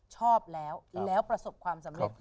ชอบแล้วแล้วประสบความสำเร็จ